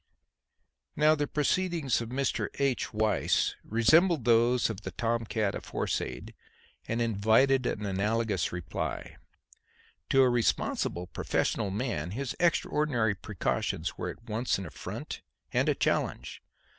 Now the proceedings of Mr. H. Weiss resembled those of the tom cat aforesaid and invited an analogous reply. To a responsible professional man his extraordinary precautions were at once an affront and a challenge.